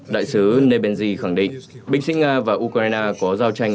đại sứ nebenji khẳng định binh sĩ nga và ukraine có giao tranh